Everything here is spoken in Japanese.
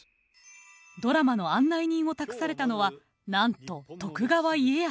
ドラマの案内人を託されたのはなんと徳川家康！